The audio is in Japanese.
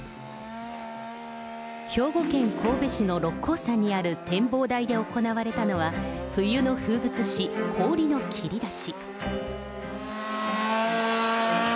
兵庫県神戸市の六甲山にある展望台で行われたのは、冬の風物詩、氷の切り出し。